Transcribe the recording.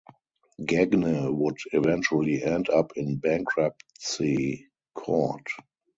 Gagne would eventually end up in bankruptcy court.